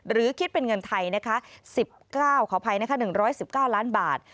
หรือคิดเป็นเงินไทย๑๙ล้านบาท